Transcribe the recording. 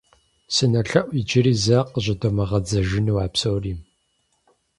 СынолъэӀу иджыри зэ къыщӀыдомыгъэдзэжыну а псори.